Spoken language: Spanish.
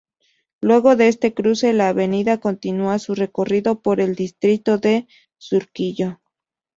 Luego de este cruce, la avenida continua su recorrido por el distrito de Surquillo.